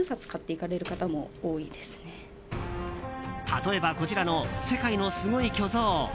例えばこちらの「世界のすごい巨像」。